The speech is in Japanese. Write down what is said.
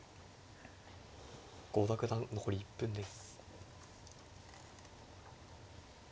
郷田九段残り１分です。